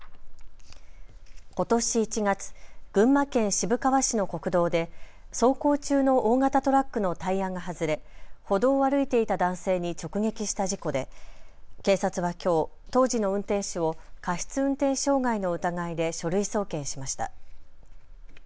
ことし１月、群馬県渋川市の国道で走行中の大型トラックのタイヤが外れ、歩道を歩いていた男性に直撃した事故で警察はきょう、当時の運転手を過失運転傷害の疑いで書類送検しました。